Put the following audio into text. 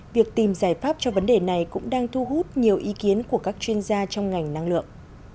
việc tìm giải pháp cho vấn đề này cũng đang thu hút nhiều ý kiến của các chuyên gia trong ngành năng lượng